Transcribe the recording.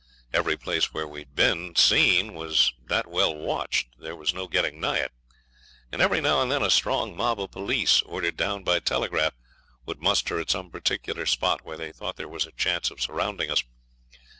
Every place where we'd been seen was that well watched there was no getting nigh it, and every now and then a strong mob of police, ordered down by telegraph, would muster at some particular spot where they thought there was a chance of surrounding us.